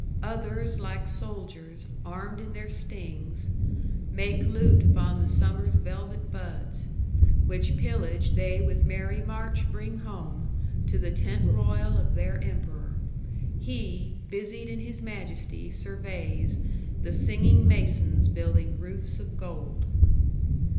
Others, like soldiers, armed in their stings, Make loot upon the summer's velvet buds; Which pillage they with merry march bring home To the tent royal of their emperor: He, busied in his majesty, surveys The singing masons building roofs of gold.'